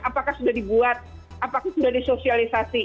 apakah sudah dibuat apakah sudah disosialisasi